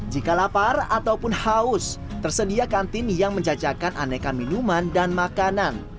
jika lapar ataupun haus tersedia kantin yang menjajakan aneka minuman dan makanan